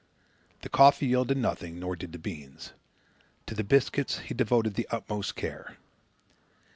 The coffee yielded nothing; nor did the beans. To the biscuits he devoted the utmost care.